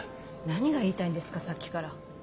何が言いたいんですかさっきから。